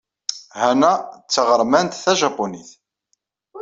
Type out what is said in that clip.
Hana d taɣermant tajapunit.